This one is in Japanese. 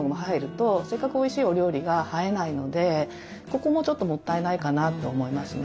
ここもちょっともったいないかなと思いますね。